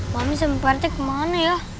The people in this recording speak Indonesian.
mami seperti kemana ya